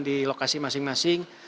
di lokasi masing masing